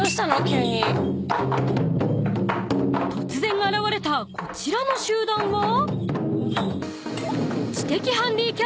［突然現れたこちらの集団は？］